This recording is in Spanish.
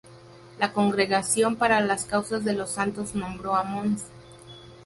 La Congregación para las Causas de los Santos nombró a Mons.